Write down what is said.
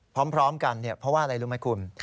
พร้อมกันเพราะว่าอะไรรู้ไหมคุณ